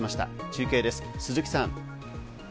中継です、鈴木さん。